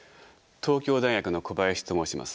東京大学の小林と申します。